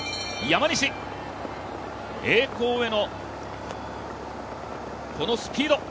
山西、栄光へのこのスピード。